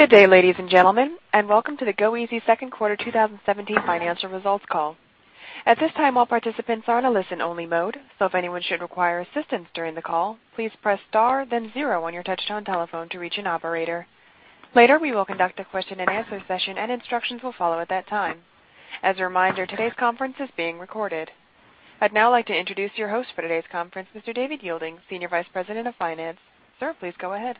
Good day, ladies and gentlemen, and welcome to the goeasy second quarter 2017 financial results call. At this time, all participants are in a listen-only mode, so if anyone should require assistance during the call, please press star then zero on your touchtone telephone to reach an operator. Later, we will conduct a question-and-answer session, and instructions will follow at that time. As a reminder, today's conference is being recorded. I'd now like to introduce your host for today's conference, Mr. David Yeilding, Senior Vice President of Finance. Sir, please go ahead.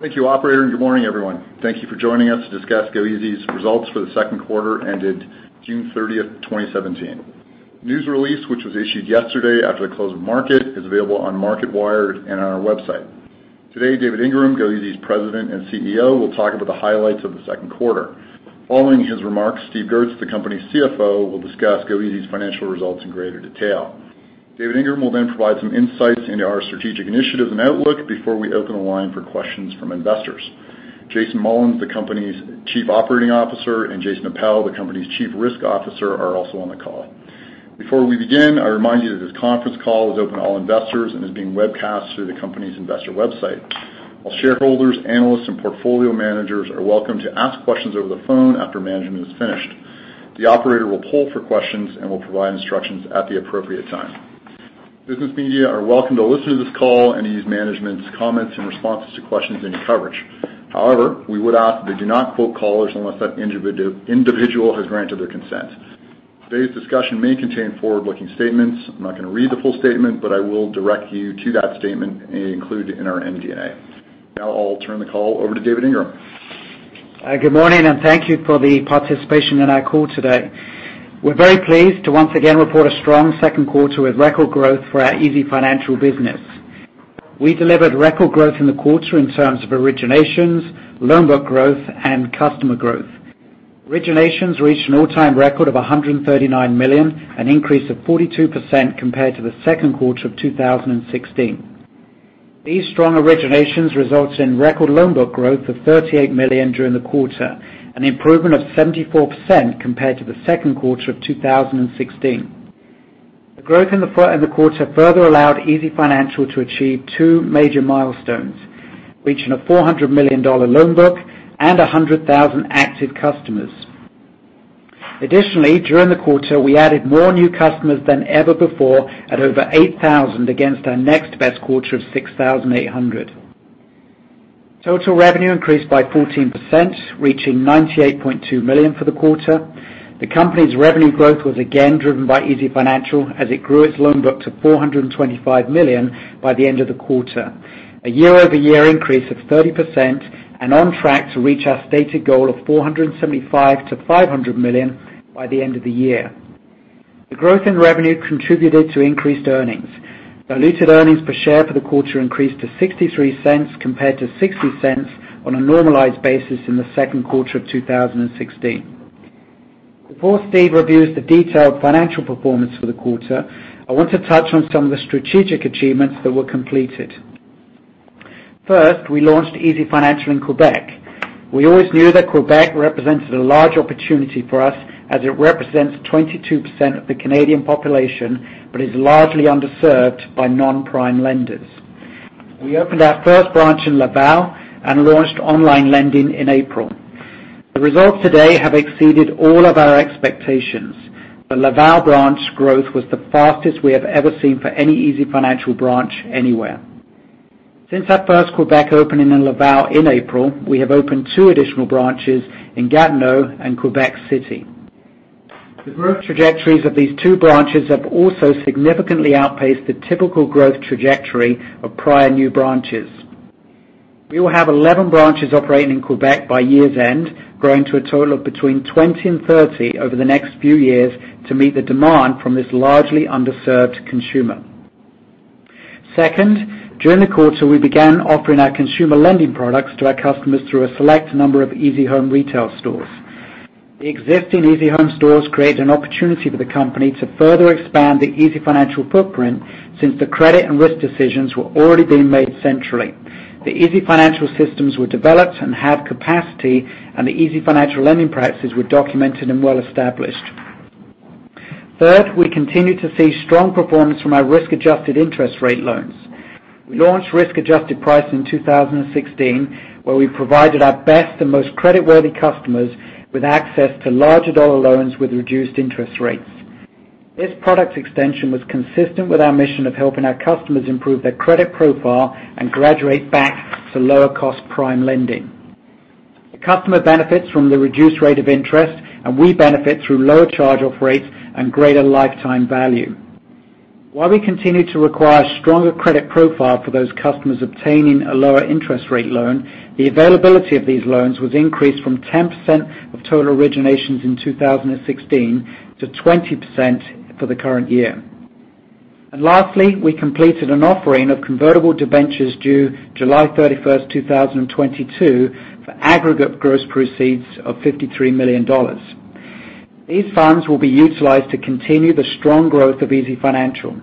Thank you, operator, and good morning, everyone. Thank you for joining us to discuss goeasy's results for the second quarter ended June 30th, 2017. News release, which was issued yesterday after the close of market, is available on Marketwired and on our website. Today, David Ingram, goeasy's President and CEO, will talk about the highlights of the second quarter. Following his remarks, Steve Goertz, the company's CFO, will discuss goeasy's financial results in greater detail. David Ingram will then provide some insights into our strategic initiatives and outlook before we open the line for questions from investors. Jason Mullins, the company's Chief Operating Officer, and Jason Appel, the company's Chief Risk Officer, are also on the call. Before we begin, I remind you that this conference call is open to all investors and is being webcast through the company's investor website. While shareholders, analysts, and portfolio managers are welcome to ask questions over the phone after management is finished, the operator will poll for questions and will provide instructions at the appropriate time. Business media are welcome to listen to this call and use management's comments in responses to questions in your coverage. However, we would ask that you do not quote callers unless that individual has granted their consent. Today's discussion may contain forward-looking statements. I'm not going to read the full statement, but I will direct you to that statement included in our MD&A. Now I'll turn the call over to David Ingram. Hi, good morning, and thank you for the participation in our call today. We're very pleased to once again report a strong second quarter with record growth for our easyfinancial business. We delivered record growth in the quarter in terms of originations, loan book growth, and customer growth. Originations reached an all-time record of 139 million, an increase of 42% compared to the second quarter of 2016. These strong originations resulted in record loan book growth of 38 million during the quarter, an improvement of 74% compared to the second quarter of 2016. The growth in the quarter further allowed easyfinancial to achieve two major milestones, reaching a CAD 400 million loan book and 100,000 active customers. Additionally, during the quarter, we added more new customers than ever before at over 8,000 against our next best quarter of 6,800. Total revenue increased by 14%, reaching 98.2 million for the quarter. The company's revenue growth was again driven by easyfinancial, as it grew its loan book to 425 million by the end of the quarter, a year-over-year increase of 30% and on track to reach our stated goal of 475-500 million by the end of the year. The growth in revenue contributed to increased earnings. Diluted earnings per share for the quarter increased to 0.63 compared to 0.60 on a normalized basis in the second quarter of 2016. Before Steve reviews the detailed financial performance for the quarter, I want to touch on some of the strategic achievements that were completed. First, we launched easyfinancial in Quebec. We always knew that Quebec represented a large opportunity for us, as it represents 22% of the Canadian population, but is largely underserved by non-prime lenders. We opened our first branch in Laval and launched online lending in April. The results today have exceeded all of our expectations. The Laval branch growth was the fastest we have ever seen for any easyfinancial branch anywhere. Since that first Quebec opening in Laval in April, we have opened two additional branches in Gatineau and Quebec City. The growth trajectories of these two branches have also significantly outpaced the typical growth trajectory of prior new branches. We will have 11 branches operating in Quebec by year's end, growing to a total of between 20 to 30 over the next few years to meet the demand from this largely underserved consumer. Second, during the quarter, we began offering our consumer lending products to our customers through a select number of easyhome retail stores. The existing easyhome stores created an opportunity for the company to further expand the easyfinancial footprint since the credit and risk decisions were already being made centrally. The easyfinancial systems were developed and had capacity, and the easyfinancial lending practices were documented and well established. Third, we continued to see strong performance from our risk-adjusted interest rate loans. We launched risk-adjusted pricing in 2016, where we provided our best and most creditworthy customers with access to larger dollar loans with reduced interest rates. This product extension was consistent with our mission of helping our customers improve their credit profile and graduate back to lower-cost prime lending. The customer benefits from the reduced rate of interest, and we benefit through lower charge-off rates and greater lifetime value. While we continue to require a stronger credit profile for those customers obtaining a lower interest rate loan, the availability of these loans was increased from 10% of total originations in 2016 to 20% for the current year. And lastly, we completed an offering of convertible debentures due July 31st, 2022, for aggregate gross proceeds of 53 million dollars. These funds will be utilized to continue the strong growth of easyfinancial.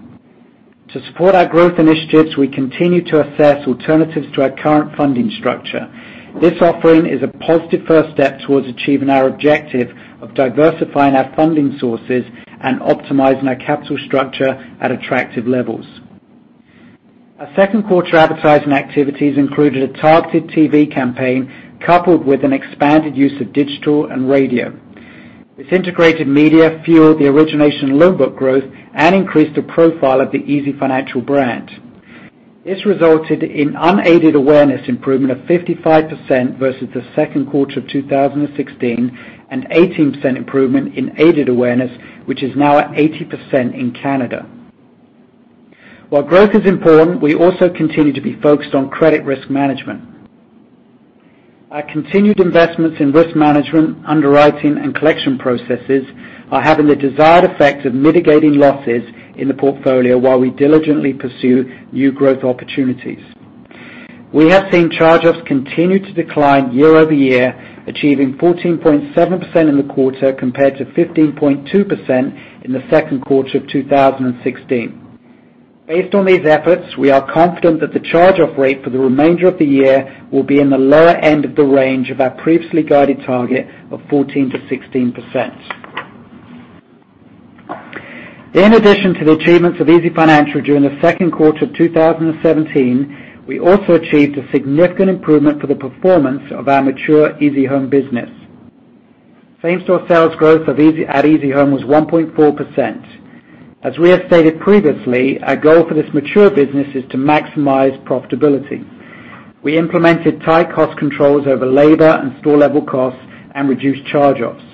To support our growth initiatives, we continue to assess alternatives to our current funding structure. This offering is a positive first step towards achieving our objective of diversifying our funding sources and optimizing our capital structure at attractive levels. Our second quarter advertising activities included a targeted TV campaign, coupled with an expanded use of digital and radio. This integrated media fueled the origination loan book growth and increased the profile of the easyfinancial brand. This resulted in unaided awareness improvement of 55% versus the second quarter of 2016, and 18% improvement in aided awareness, which is now at 80% in Canada. While growth is important, we also continue to be focused on credit risk management. Our continued investments in risk management, underwriting, and collection processes are having the desired effect of mitigating losses in the portfolio while we diligently pursue new growth opportunities. We have seen charge-offs continue to decline year-over-year, achieving 14.7% in the quarter, compared to 15.2% in the second quarter of 2016. Based on these efforts, we are confident that the charge-off rate for the remainder of the year will be in the lower end of the range of our previously guided target of 14%-16%. In addition to the achievements of easyfinancial during the second quarter of 2017, we also achieved a significant improvement for the performance of our mature easyhome business. Same-store sales growth at easyhome was 1.4%. As we have stated previously, our goal for this mature business is to maximize profitability. We implemented tight cost controls over labor and store-level costs and reduced charge-offs.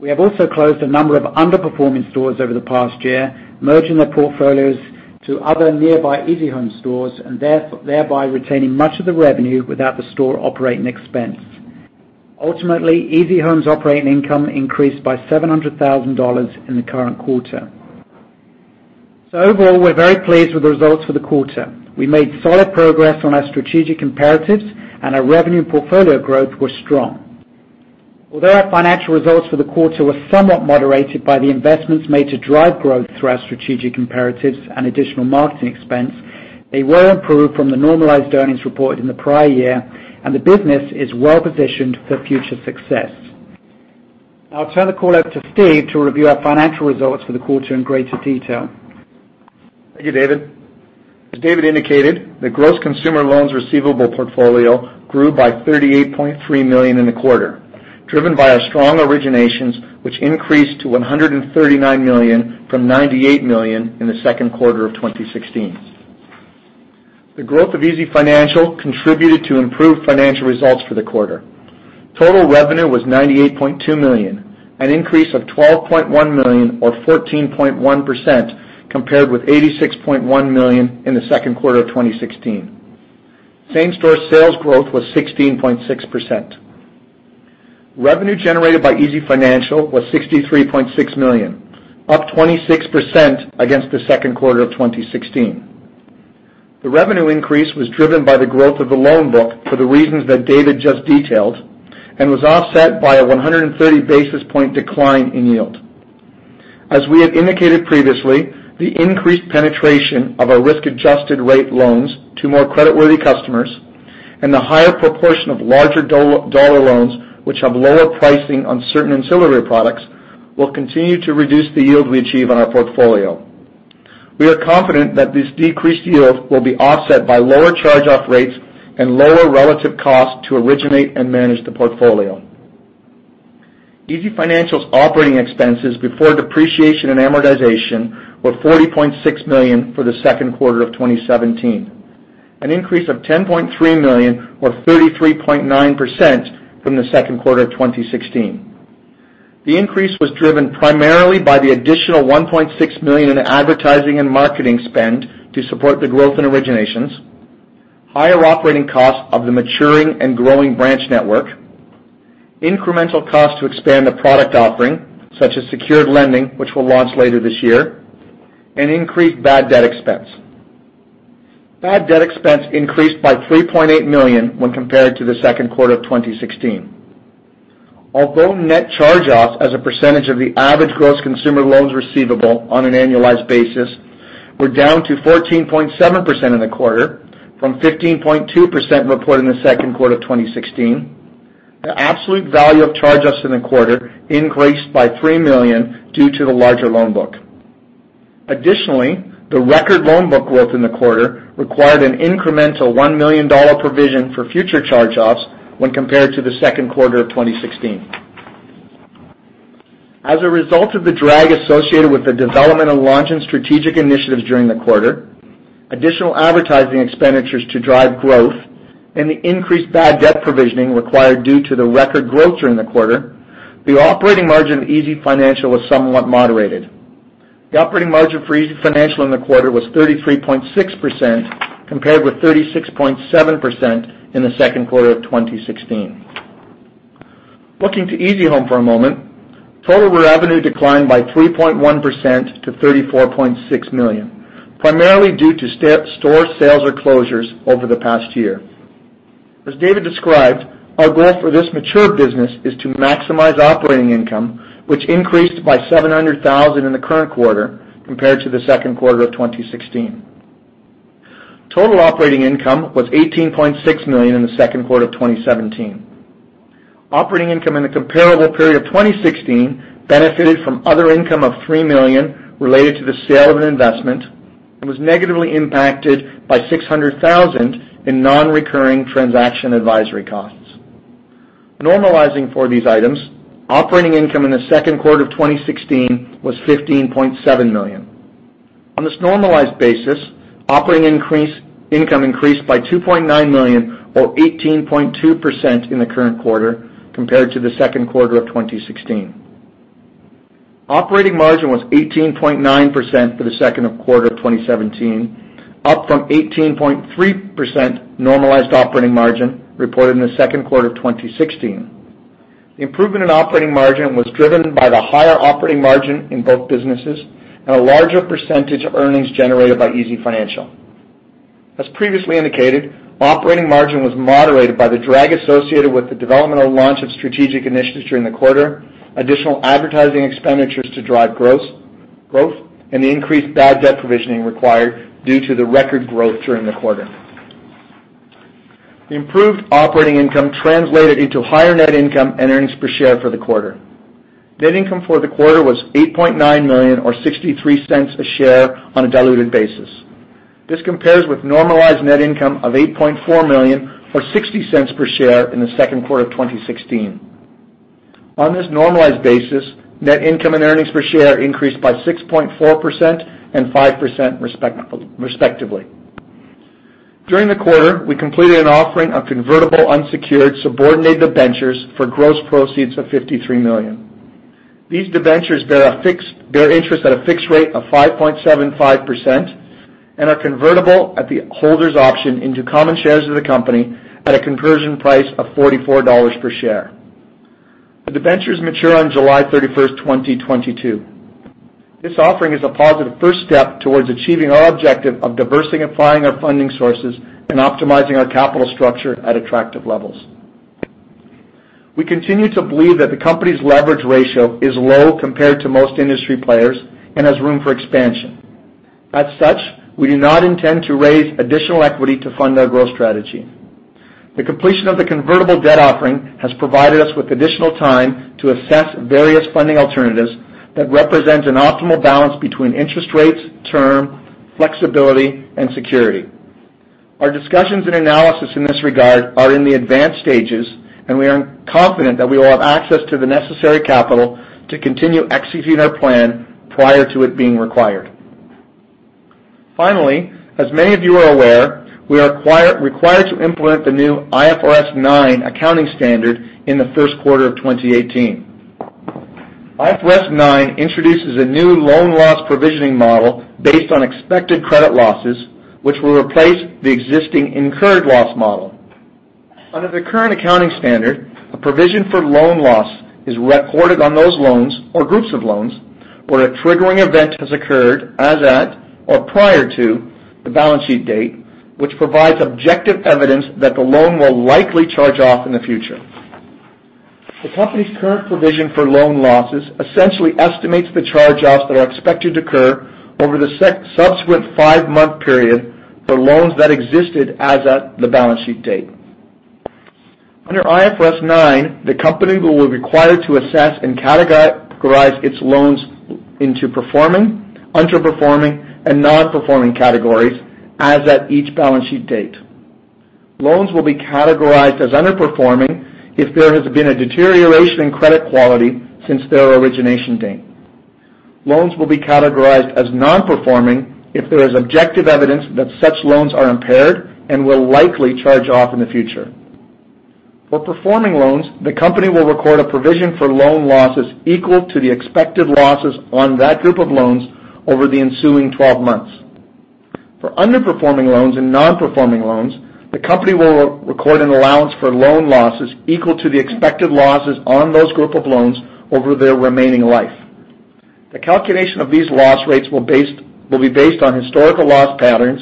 We have also closed a number of underperforming stores over the past year, merging their portfolios to other nearby easyhome stores and thereby retaining much of the revenue without the store operating expense. Ultimately, easyhome's operating income increased by 700,000 dollars in the current quarter. So overall, we're very pleased with the results for the quarter. We made solid progress on our strategic imperatives, and our revenue portfolio growth was strong. Although our financial results for the quarter were somewhat moderated by the investments made to drive growth through our strategic imperatives and additional marketing expense, they were improved from the normalized earnings reported in the prior year, and the business is well positioned for future success. Now I'll turn the call over to Steve to review our financial results for the quarter in greater detail. Thank you, David. As David indicated, the gross consumer loans receivable portfolio grew by 38.3 million in the quarter, driven by our strong originations, which increased to 139 million from 98 million in the second quarter of 2016. The growth of easyfinancial contributed to improved financial results for the quarter. Total revenue was 98.2 million, an increase of 12.1 million or 14.1%, compared with 86.1 million in the second quarter of 2016. Same-store sales growth was 16.6%. Revenue generated by easyfinancial was CAD 63.6 million, up 26% against the second quarter of 2016. The revenue increase was driven by the growth of the loan book for the reasons that David just detailed and was offset by a 130 basis point decline in yield. As we had indicated previously, the increased penetration of our risk-adjusted rate loans to more creditworthy customers and the higher proportion of larger dollar loans, which have lower pricing on certain ancillary products, will continue to reduce the yield we achieve on our portfolio. We are confident that this decreased yield will be offset by lower charge-off rates and lower relative costs to originate and manage the portfolio. easyfinancial's operating expenses before depreciation and amortization were 40.6 million for the second quarter of 2017, an increase of 10.3 million or 33.9% from the second quarter of 2016. The increase was driven primarily by the additional 1.6 million in advertising and marketing spend to support the growth in originations, higher operating costs of the maturing and growing branch network, incremental costs to expand the product offering, such as secured lending, which will launch later this year, and increased bad debt expense. Bad debt expense increased by 3.8 million when compared to the second quarter of 2016. Although net charge-offs as a percentage of the average gross consumer loans receivable on an annualized basis were down to 14.7% in the quarter from 15.2% reported in the second quarter of 2016, the absolute value of charge-offs in the quarter increased by 3 million due to the larger loan book. Additionally, the record loan book growth in the quarter required an incremental 1 million dollar provision for future charge-offs when compared to the second quarter of 2016. As a result of the drag associated with the development and launch and strategic initiatives during the quarter, additional advertising expenditures to drive growth, and the increased bad debt provisioning required due to the record growth during the quarter, the operating margin of easyfinancial was somewhat moderated. The operating margin for easyfinancial in the quarter was 33.6%, compared with 36.7% in the second quarter of 2016. Looking to easyhome for a moment. Total revenue declined by 3.1% to 34.6 million, primarily due to store closures over the past year. As David described, our goal for this mature business is to maximize operating income, which increased by 700,000 in the current quarter compared to the second quarter of 2016. Total operating income was 18.6 million in the second quarter of 2017. Operating income in the comparable period of 2016 benefited from other income of 3 million related to the sale of an investment, and was negatively impacted by 600,000 in non-recurring transaction advisory costs. Normalizing for these items, operating income in the second quarter of 2016 was 15.7 million. On this normalized basis, operating income increased by 2.9 million or 18.2% in the current quarter compared to the second quarter of 2016. Operating margin was 18.9% for the second quarter of 2017, up from 18.3% normalized operating margin reported in the second quarter of 2016. The improvement in operating margin was driven by the higher operating margin in both businesses and a larger percentage of earnings generated by easyfinancial. As previously indicated, operating margin was moderated by the drag associated with the development or launch of strategic initiatives during the quarter, additional advertising expenditures to drive growth, and the increased bad debt provisioning required due to the record growth during the quarter. The improved operating income translated into higher net income and earnings per share for the quarter. Net income for the quarter was 8.9 million, or 0.63 per share on a diluted basis. This compares with normalized net income of 8.4 million, or 0.60 per share in the second quarter of 2016. On this normalized basis, net income and earnings per share increased by 6.4% and 5%, respectively. During the quarter, we completed an offering of convertible unsecured subordinated debentures for gross proceeds of 53 million. These debentures bear interest at a fixed rate of 5.75% and are convertible at the holder's option into common shares of the company at a conversion price of 44 dollars per share. The debentures mature on July 31, 2022. This offering is a positive first step towards achieving our objective of diversifying our funding sources and optimizing our capital structure at attractive levels. We continue to believe that the company's leverage ratio is low compared to most industry players and has room for expansion. As such, we do not intend to raise additional equity to fund our growth strategy. The completion of the convertible debt offering has provided us with additional time to assess various funding alternatives that represent an optimal balance between interest rates, term, flexibility, and security. Our discussions and analysis in this regard are in the advanced stages, and we are confident that we will have access to the necessary capital to continue executing our plan prior to it being required. Finally, as many of you are aware, we are required to implement the new IFRS 9 accounting standard in the first quarter of 2018. IFRS 9 introduces a new loan loss provisioning model based on expected credit losses, which will replace the existing incurred loss model. Under the current accounting standard, a provision for loan loss is recorded on those loans or groups of loans where a triggering event has occurred as at or prior to the balance sheet date, which provides objective evidence that the loan will likely charge off in the future. The company's current provision for loan losses essentially estimates the charge-offs that are expected to occur over the subsequent five-month period for loans that existed as at the balance sheet date. Under IFRS 9, the company will be required to assess and categorize its loans into performing, underperforming, and non-performing categories as at each balance sheet date. Loans will be categorized as underperforming if there has been a deterioration in credit quality since their origination date. Loans will be categorized as non-performing if there is objective evidence that such loans are impaired and will likely charge off in the future. For performing loans, the company will record a provision for loan losses equal to the expected losses on that group of loans over the ensuing twelve months. For underperforming loans and non-performing loans, the company will record an allowance for loan losses equal to the expected losses on those group of loans over their remaining life. The calculation of these loss rates will be based on historical loss patterns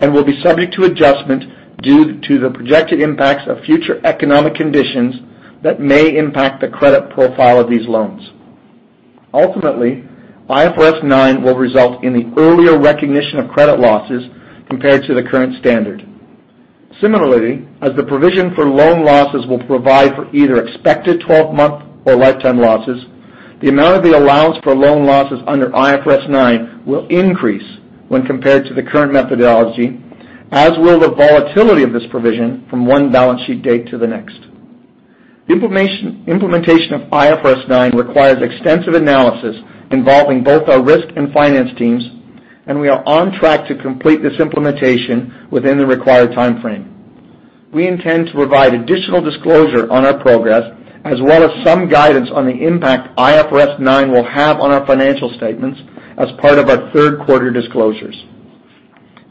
and will be subject to adjustment due to the projected impacts of future economic conditions that may impact the credit profile of these loans. Ultimately, IFRS 9 will result in the earlier recognition of credit losses compared to the current standard. Similarly, as the provision for loan losses will provide for either expected twelve-month or lifetime losses, the amount of the allowance for loan losses under IFRS 9 will increase when compared to the current methodology, as will the volatility of this provision from one balance sheet date to the next. The implementation of IFRS 9 requires extensive analysis involving both our risk and finance teams, and we are on track to complete this implementation within the required timeframe. We intend to provide additional disclosure on our progress, as well as some guidance on the impact IFRS 9 will have on our financial statements as part of our third quarter disclosures.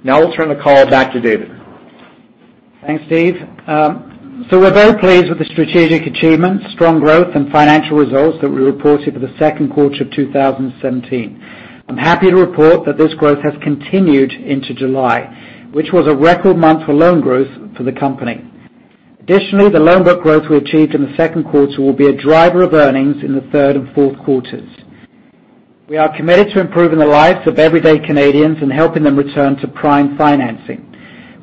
Now I'll turn the call back to David. Thanks, Steve. So we're very pleased with the strategic achievements, strong growth, and financial results that we reported for the second quarter of 2017. I'm happy to report that this growth has continued into July, which was a record month for loan growth for the company. Additionally, the loan book growth we achieved in the second quarter will be a driver of earnings in the third and fourth quarters. We are committed to improving the lives of everyday Canadians and helping them return to prime financing.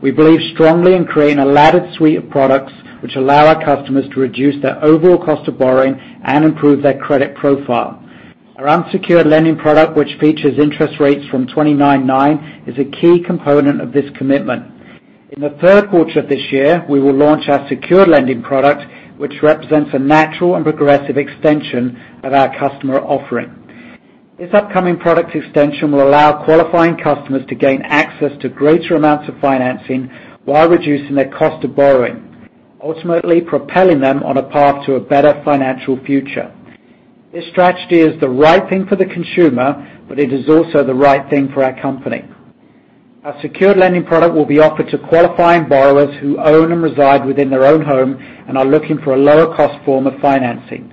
We believe strongly in creating a laddered suite of products, which allow our customers to reduce their overall cost of borrowing and improve their credit profile. Our unsecured lending product, which features interest rates from 29.9%, is a key component of this commitment. In the third quarter of this year, we will launch our secured lending product, which represents a natural and progressive extension of our customer offering. This upcoming product extension will allow qualifying customers to gain access to greater amounts of financing while reducing their cost of borrowing, ultimately propelling them on a path to a better financial future. This strategy is the right thing for the consumer, but it is also the right thing for our company. Our secured lending product will be offered to qualifying borrowers who own and reside within their own home and are looking for a lower-cost form of financing.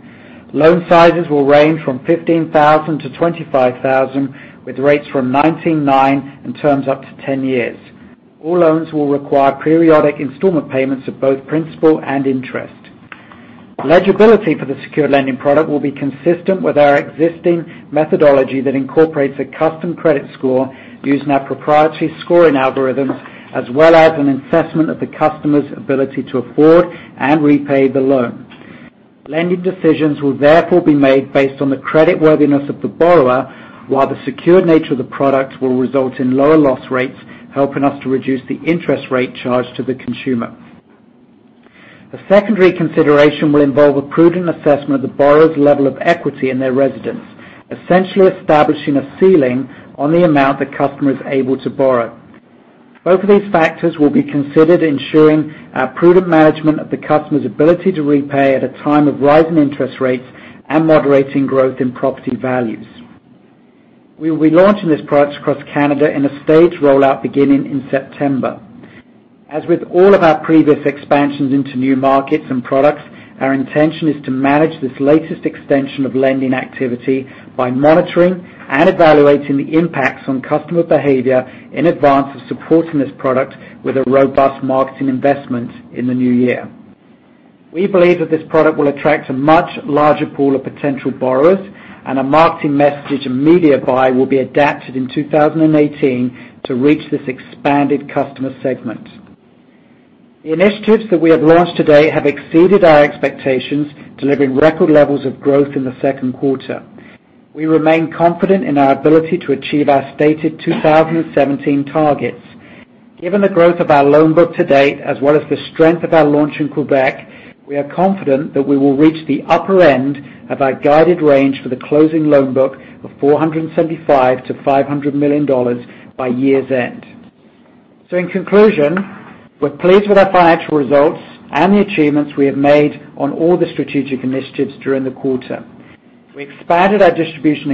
Loan sizes will range from 15,000-25,000, with rates from 19.9% and terms up to 10 years. All loans will require periodic installment payments of both principal and interest. Eligibility for the secured lending product will be consistent with our existing methodology that incorporates a custom credit score using our proprietary scoring algorithms, as well as an assessment of the customer's ability to afford and repay the loan. Lending decisions will therefore be made based on the creditworthiness of the borrower, while the secured nature of the product will result in lower loss rates, helping us to reduce the interest rate charged to the consumer. The secondary consideration will involve a prudent assessment of the borrower's level of equity in their residence, essentially establishing a ceiling on the amount the customer is able to borrow. Both of these factors will be considered, ensuring our prudent management of the customer's ability to repay at a time of rising interest rates and moderating growth in property values. We will be launching this product across Canada in a staged rollout beginning in September. As with all of our previous expansions into new markets and products, our intention is to manage this latest extension of lending activity by monitoring and evaluating the impacts on customer behavior in advance of supporting this product with a robust marketing investment in the new year. We believe that this product will attract a much larger pool of potential borrowers, and our marketing message and media buy will be adapted in 2018 to reach this expanded customer segment. The initiatives that we have launched today have exceeded our expectations, delivering record levels of growth in the second quarter. We remain confident in our ability to achieve our stated 2017 targets. Given the growth of our loan book to date, as well as the strength of our launch in Quebec, we are confident that we will reach the upper end of our guided range for the closing loan book of 475 million-500 million dollars by year's end. So in conclusion, we're pleased with our financial results and the achievements we have made on all the strategic initiatives during the quarter. We expanded our distribution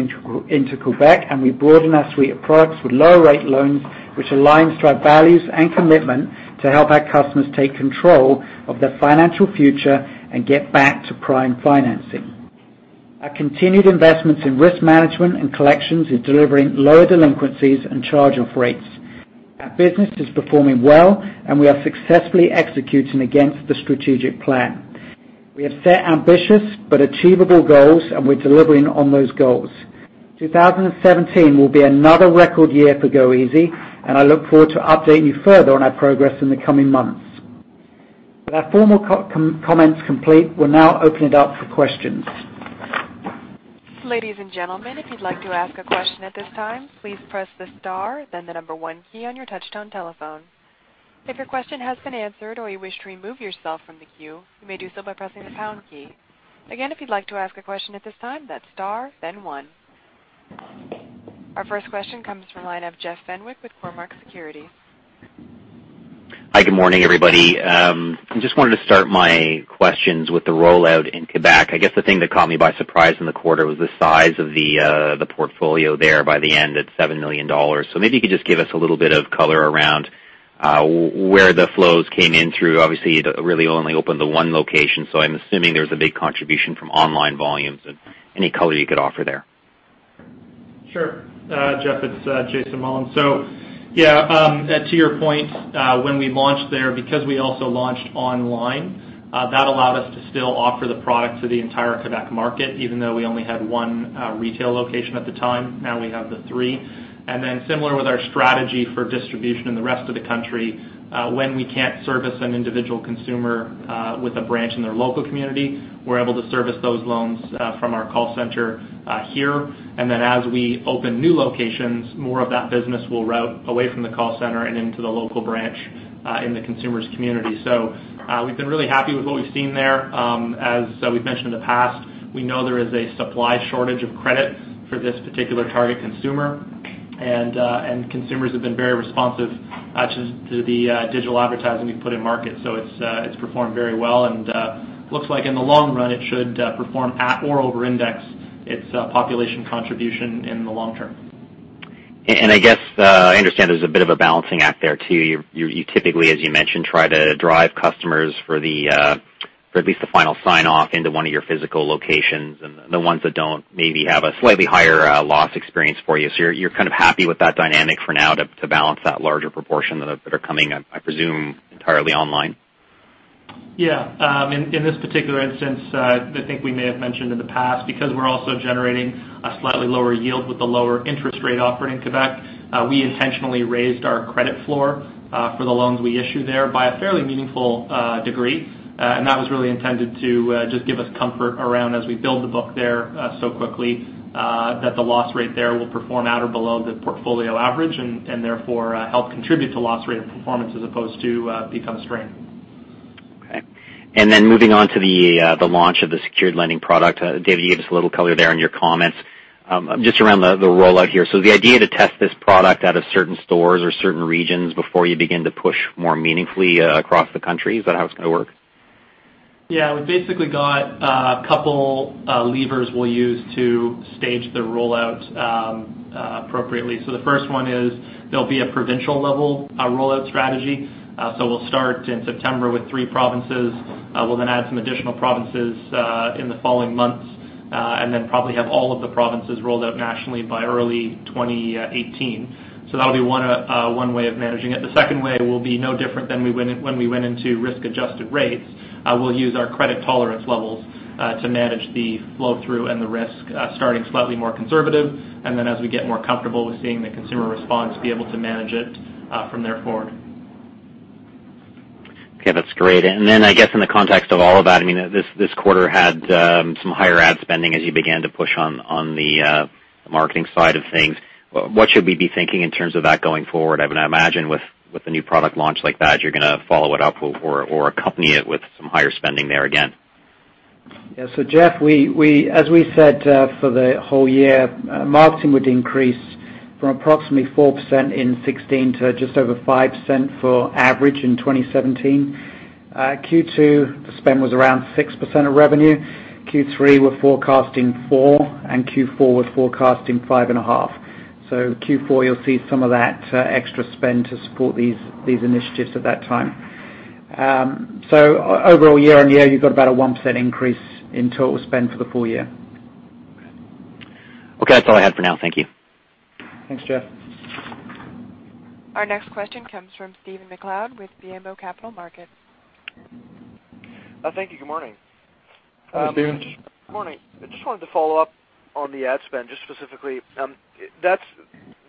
into Quebec, and we broadened our suite of products with lower-rate loans, which aligns to our values and commitment to help our customers take control of their financial future and get back to prime financing. Our continued investments in risk management and collections is delivering lower delinquencies and charge-off rates. Our business is performing well, and we are successfully executing against the strategic plan. We have set ambitious but achievable goals, and we're delivering on those goals. 2017 will be another record year for goeasy, and I look forward to updating you further on our progress in the coming months. With our formal comments complete, we'll now open it up for questions. Ladies and gentlemen, if you'd like to ask a question at this time, please press the star, then the number one key on your touchtone telephone. If your question has been answered or you wish to remove yourself from the queue, you may do so by pressing the pound key. Again, if you'd like to ask a question at this time, that's star, then one. Our first question comes from the line of Jeff Fenwick with Cormark Securities. Hi, good morning, everybody. I just wanted to start my questions with the rollout in Quebec. I guess the thing that caught me by surprise in the quarter was the size of the portfolio there by the end at 7 million dollars. So maybe you could just give us a little bit of color around where the flows came in through. Obviously, you really only opened the one location, so I'm assuming there's a big contribution from online volumes and any color you could offer there. Sure. Jeff, it's Jason Mullins. So, yeah, to your point, when we launched there, because we also launched online, that allowed us to still offer the product to the entire Quebec market, even though we only had one retail location at the time. Now we have the three. And then similar with our strategy for distribution in the rest of the country, when we can't service an individual consumer with a branch in their local community, we're able to service those loans from our call center here. And then as we open new locations, more of that business will route away from the call center and into the local branch in the consumer's community. So, we've been really happy with what we've seen there. As we've mentioned in the past, we know there is a supply shortage of credit for this particular target consumer, and consumers have been very responsive to the digital advertising we've put in market, so it's performed very well, and looks like in the long run, it should perform at or over index its population contribution in the long term. I guess I understand there's a bit of a balancing act there, too. You typically, as you mentioned, try to drive customers for at least the final sign-off into one of your physical locations, and the ones that don't maybe have a slightly higher loss experience for you. So you're kind of happy with that dynamic for now to balance that larger proportion that are coming, I presume, entirely online?... Yeah, in this particular instance, I think we may have mentioned in the past, because we're also generating a slightly lower yield with the lower interest rate offered in Quebec, we intentionally raised our credit floor for the loans we issue there by a fairly meaningful degree. And that was really intended to just give us comfort around as we build the book there so quickly that the loss rate there will perform at or below the portfolio average, and therefore help contribute to loss rate and performance as opposed to become a strain. Okay. And then moving on to the launch of the secured lending product. David, you gave us a little color there in your comments. Just around the rollout here. So the idea to test this product out of certain stores or certain regions before you begin to push more meaningfully across the country, is that how it's gonna work? Yeah. We've basically got a couple levers we'll use to stage the rollout appropriately. So the first one is there'll be a provincial level rollout strategy. So we'll start in September with three provinces. We'll then add some additional provinces in the following months, and then probably have all of the provinces rolled out nationally by early 2018. So that'll be one way of managing it. The second way will be no different than when we went into risk-adjusted rates. We'll use our credit tolerance levels to manage the flow-through and the risk, starting slightly more conservative, and then as we get more comfortable with seeing the consumer response, to be able to manage it from there forward. Okay, that's great. And then I guess in the context of all of that, I mean, this quarter had some higher ad spending as you began to push on the marketing side of things. What should we be thinking in terms of that going forward? I would imagine with the new product launch like that, you're gonna follow it up or accompany it with some higher spending there again. Yeah. So Jeff, we as we said, for the whole year, marketing would increase from approximately 4% in 2016 to just over 5% on average in 2017. Q2, the spend was around 6% of revenue. Q3, we're forecasting 4%, and Q4, we're forecasting 5.5%. So Q4, you'll see some of that extra spend to support these initiatives at that time. So overall, year-on-year, you've got about a 1% increase in total spend for the full year. Okay, that's all I had for now. Thank you. Thanks, Jeff. Our next question comes from Stephen MacLeod with BMO Capital Markets. Thank you. Good morning. Hi, Stephen. Morning. I just wanted to follow up on the ad spend, just specifically. That's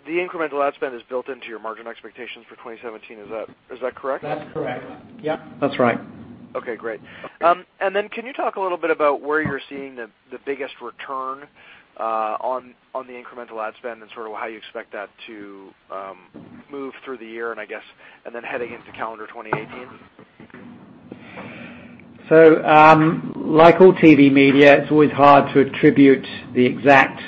the incremental ad spend is built into your margin expectations for 2017, is that, is that correct? That's correct. Yeah, that's right. Okay, great. And then can you talk a little bit about where you're seeing the biggest return on the incremental ad spend and sort of how you expect that to move through the year and I guess, and then heading into calendar 2018? So, like all TV media, it's always hard to attribute the exact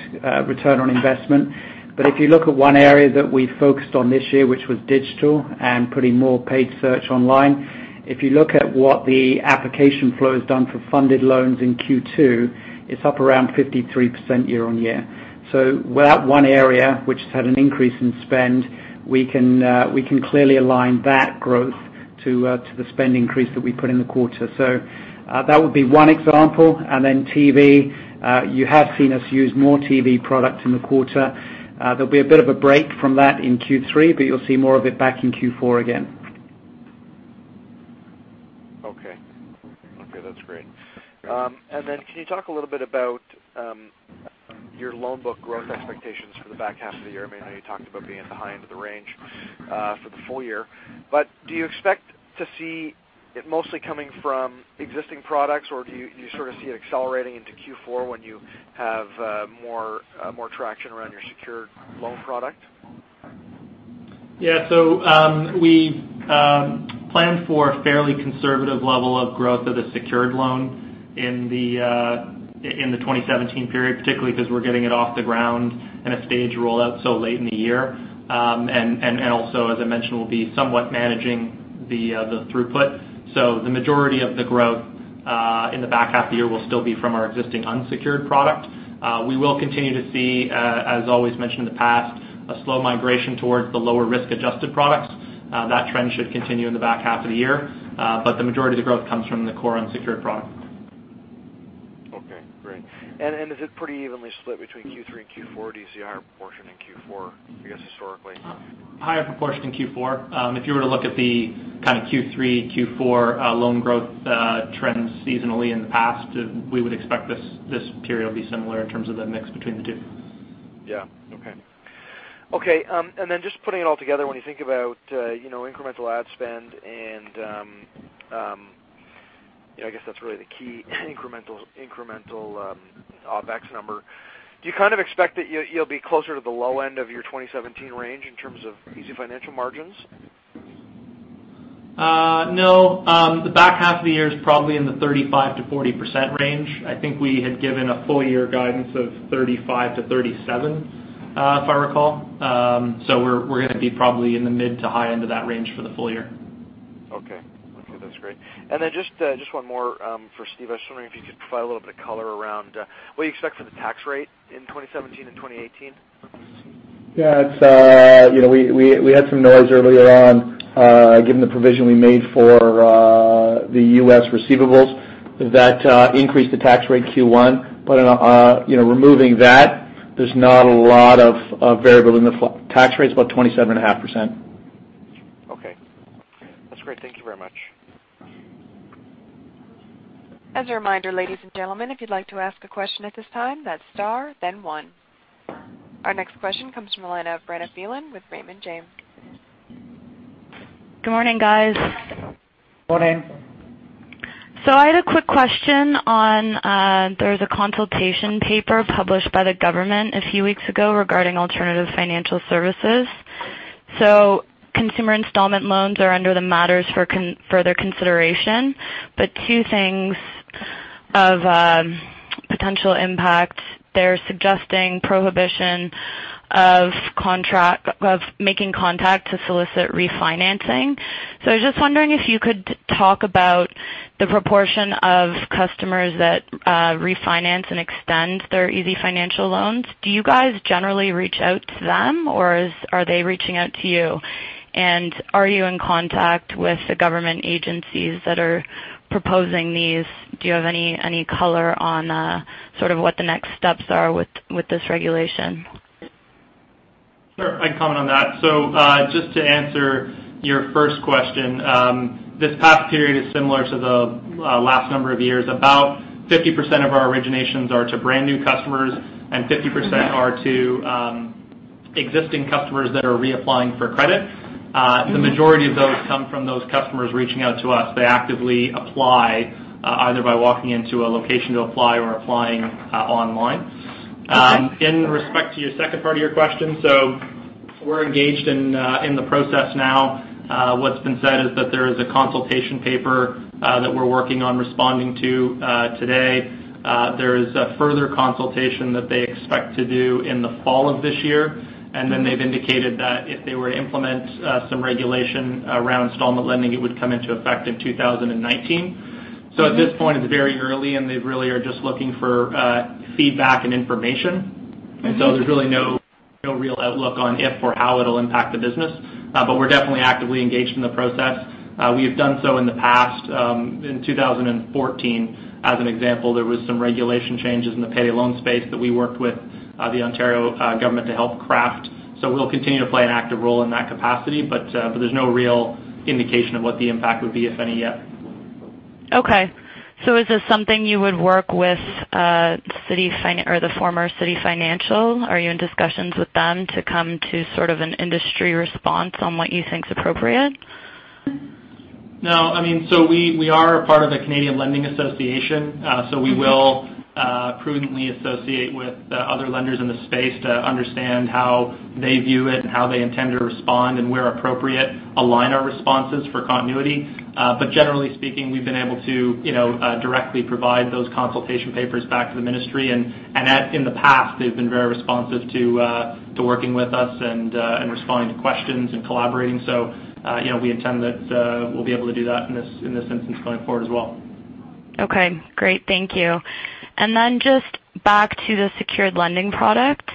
return on investment. But if you look at one area that we focused on this year, which was digital and putting more paid search online, if you look at what the application flow has done for funded loans in Q2, it's up around 53% year-on-year. So with that one area, which has had an increase in spend, we can clearly align that growth to the spend increase that we put in the quarter. So, that would be one example. And then TV, you have seen us use more TV product in the quarter. There'll be a bit of a break from that in Q3, but you'll see more of it back in Q4 again. Okay. Okay, that's great. And then can you talk a little bit about your loan book growth expectations for the back half of the year? I mean, I know you talked about being at the high end of the range for the full year, but do you expect to see it mostly coming from existing products, or do you sort of see it accelerating into Q4 when you have more traction around your secured loan product? Yeah. So, we plan for a fairly conservative level of growth of the secured loan in the 2017 period, particularly because we're getting it off the ground in a staged rollout so late in the year. Also, as I mentioned, we'll be somewhat managing the throughput. So the majority of the growth in the back half of the year will still be from our existing unsecured product. We will continue to see, as always mentioned in the past, a slow migration towards the lower risk-adjusted products. That trend should continue in the back half of the year, but the majority of the growth comes from the core unsecured product. Okay, great. And, is it pretty evenly split between Q3 and Q4? Do you see a higher proportion in Q4, I guess, historically? Higher proportion in Q4. If you were to look at the kind of Q3, Q4, loan growth, trends seasonally in the past, we would expect this period to be similar in terms of the mix between the two. Yeah. Okay. Okay, and then just putting it all together, when you think about, you know, incremental ad spend and, yeah, I guess that's really the key incremental OpEx number. Do you kind of expect that you'll be closer to the low end of your 2017 range in terms of easyfinancial margins? No, the back half of the year is probably in the 35%-40% range. I think we had given a full-year guidance of 35%-37%, if I recall, so we're gonna be probably in the mid to high end of that range for the full year. Okay. Okay, that's great. And then just one more for Steve. I was wondering if you could provide a little bit of color around what you expect for the tax rate in 2017 and 2018? Yeah, it's... You know, we had some noise earlier on, given the provision we made for the U.S. receivables that increased the tax rate Q1. But, you know, removing that-... There's not a lot of variable in the tax rate, it's about 27.5%. Okay. That's great. Thank you very much. As a reminder, ladies and gentlemen, if you'd like to ask a question at this time, that's star, then one. Our next question comes from the line of Brenna Phelan with Raymond James. Good morning, guys. Morning. So I had a quick question on there was a consultation paper published by the government a few weeks ago regarding alternative financial services, so consumer installment loans are under the matters for further consideration, but two things of potential impact. They're suggesting prohibition of making contact to solicit refinancing, so I was just wondering if you could talk about the proportion of customers that refinance and extend their easyfinancial loans. Do you guys generally reach out to them, or are they reaching out to you? And are you in contact with the government agencies that are proposing these? Do you have any color on sort of what the next steps are with this regulation? Sure, I can comment on that. So, just to answer your first question, this past period is similar to the last number of years. About 50% of our originations are to brand-new customers, and 50% are to existing customers that are reapplying for credit. The majority of those come from those customers reaching out to us. They actively apply either by walking into a location to apply or applying online. In respect to your second part of your question, so we're engaged in the process now. What's been said is that there is a consultation paper that we're working on responding to today. There is a further consultation that they expect to do in the fall of this year, and then they've indicated that if they were to implement some regulation around installment lending, it would come into effect in 2019. So at this point, it's very early, and they really are just looking for feedback and information. There's really no real outlook on if or how it'll impact the business. But we're definitely actively engaged in the process. We have done so in the past. In 2014, as an example, there was some regulation changes in the payday loan space that we worked with the Ontario government to help craft. So we'll continue to play an active role in that capacity, but there's no real indication of what the impact would be, if any, yet. Okay, so is this something you would work with, CitiFinancial, or the former CitiFinancial? Are you in discussions with them to come to sort of an industry response on what you think is appropriate? No, I mean, so we are a part of the Canadian Lenders Association, so we will prudently associate with the other lenders in the space to understand how they view it and how they intend to respond, and where appropriate, align our responses for continuity, but generally speaking, we've been able to, you know, directly provide those consultation papers back to the ministry, and in the past, they've been very responsive to working with us and responding to questions and collaborating, so you know, we intend that we'll be able to do that in this instance, going forward as well. Okay, great. Thank you. And then just back to the secured lending product.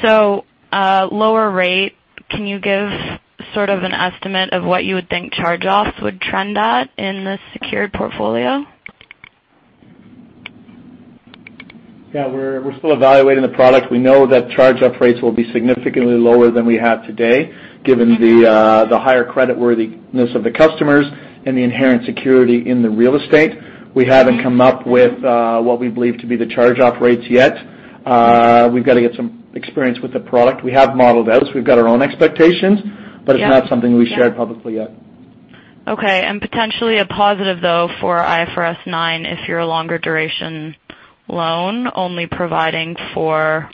So, lower rate, can you give sort of an estimate of what you would think charge-offs would trend at in the secured portfolio? Yeah, we're still evaluating the product. We know that charge-off rates will be significantly lower than we have today, given the higher creditworthiness of the customers and the inherent security in the real estate. We haven't come up with what we believe to be the charge-off rates yet. We've got to get some experience with the product. We have modeled those. We've got our own expectations- Yeah. but it's not something we've shared publicly yet. Okay, and potentially a positive, though, for IFRS 9, if you're a longer duration loan, only providing for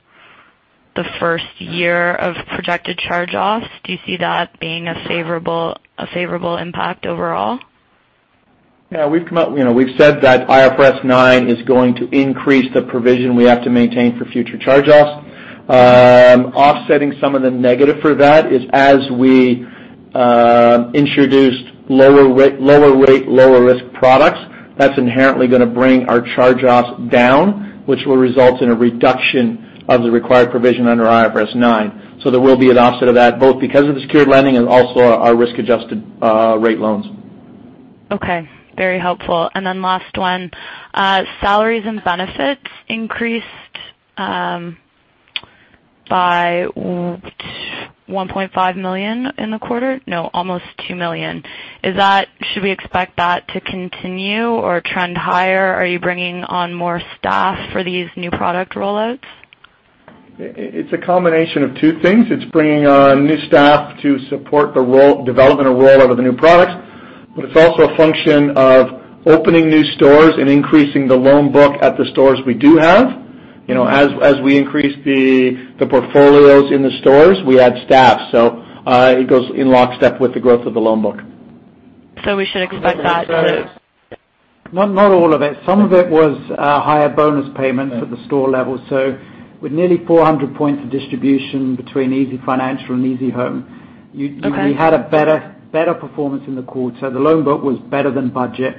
the first year of projected charge-offs. Do you see that being a favorable, a favorable impact overall? Yeah, we've come up... You know, we've said that IFRS 9 is going to increase the provision we have to maintain for future charge-offs. Offsetting some of the negative for that is, as we introduced lower rate, lower risk products, that's inherently gonna bring our charge-offs down, which will result in a reduction of the required provision under IFRS 9. So there will be an offset of that, both because of the secured lending and also our risk-adjusted rate loans. Okay, very helpful. And then last one. Salaries and benefits increased by 1.5 million in the quarter? No, almost 2 million. Is that? Should we expect that to continue or trend higher? Are you bringing on more staff for these new product rollouts? It's a combination of two things. It's bringing on new staff to support the role, development and roll out of the new products, but it's also a function of opening new stores and increasing the loan book at the stores we do have. You know, as we increase the portfolios in the stores, we add staff. So, it goes in lockstep with the growth of the loan book. So we should expect that to- Not, not all of it. Some of it was higher bonus payments at the store level. So with nearly 400 points of distribution between easyfinancial and easyhome- Okay. - you, we had a better performance in the quarter. The loan book was better than budget,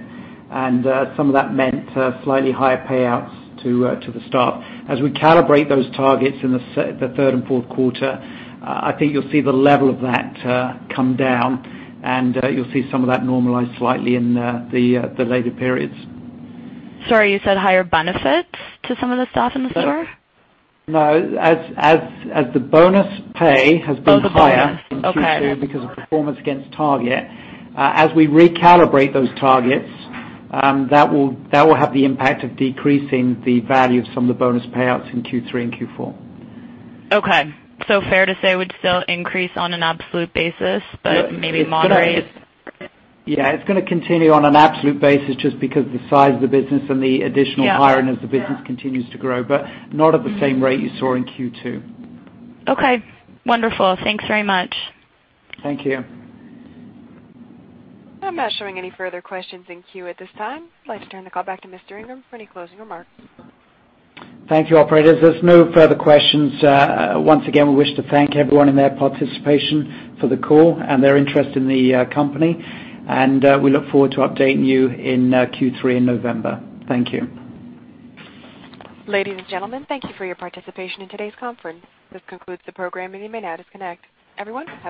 and some of that meant slightly higher payouts to the staff. As we calibrate those targets in the third and fourth quarter, I think you'll see the level of that come down, and you'll see some of that normalize slightly in the later periods. Sorry, you said higher benefits to some of the staff in the store? No, as the bonus pay has been higher- Oh, the bonus. - in Q2 because of performance against target, as we recalibrate those targets, that will have the impact of decreasing the value of some of the bonus payouts in Q3 and Q4. Okay, so fair to say it would still increase on an absolute basis, but maybe moderate? Yeah, it's gonna continue on an absolute basis just because of the size of the business and the additional- Yeah. hiring as the business continues to grow, but not at the same rate you saw in Q2. Okay. Wonderful. Thanks very much. Thank you. I'm not showing any further questions in queue at this time. I'd like to turn the call back to Mr. Ingram for any closing remarks. Thank you, operators. There's no further questions. Once again, we wish to thank everyone and their participation for the call and their interest in the company, and we look forward to updating you in Q3 in November. Thank you. Ladies and gentlemen, thank you for your participation in today's conference. This concludes the program, and you may now disconnect. Everyone, have a good night.